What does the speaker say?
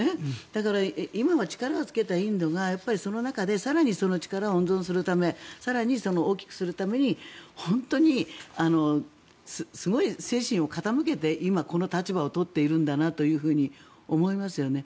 だから、今は力をつけたインドがその中で更にその力を温存するため更に大きくするために本当にすごい精神を傾けて今、この立場を取っているんだなというふうに思いますよね。